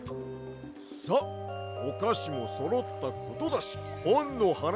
さっおかしもそろったことだしほんのはなししようで。